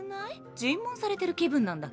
尋問されてる気分なんだけど。